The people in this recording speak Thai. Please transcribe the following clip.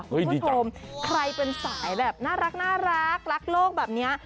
คุณผู้ชมใครเป็นสายแบบน่ารักรักโลกแบบนี้